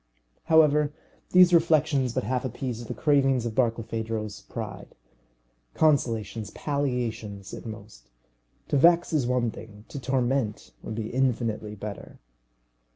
However, these reflections but half appeased the cravings of Barkilphedro's pride. Consolations, palliations at most. To vex is one thing; to torment would be infinitely better.